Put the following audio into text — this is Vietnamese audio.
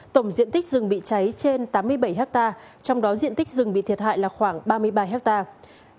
tổng diện tích rừng bị cháy trên tám mươi bảy hectare trong đó diện tích rừng bị thiệt hại là khoảng ba mươi ba hectare